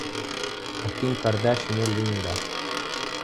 A Kim Kardashian é linda.